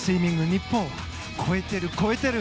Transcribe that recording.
日本、超えてる、超えてる。